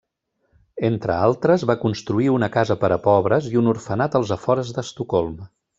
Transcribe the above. Entre altres, va construir una casa per a pobres i un orfenat als afores d'Estocolm.